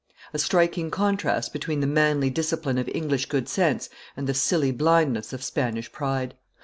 A striking contrast between the manly discipline of English good sense and the silly blindness of Spanish pride.